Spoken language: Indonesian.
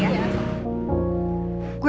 kau nggak akan mencoba mencoba